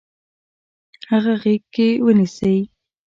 هغه غیږ کې ونیسئ.